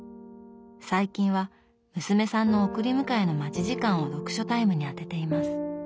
最近は娘さんの送り迎えの待ち時間を読書タイムにあてています。